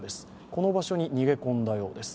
この場所に逃げ込んだようです。